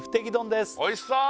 おいしそう！